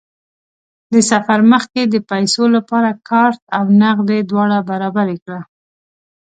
د سفر مخکې د پیسو لپاره کارت او نغدې دواړه برابرې کړه.